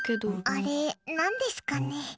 あれ、何ですかね。